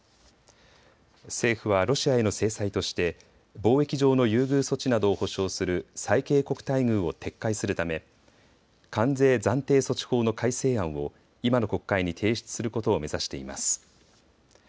政府はロシアへの制裁として貿易上の優遇措置などを保障する最恵国待遇を撤回するため関税暫定措置法の改正案を今の国会に提出することを目指しています。